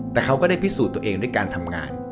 แต่เขาก็ได้ปริสูตรตัวเองได้การทำงาน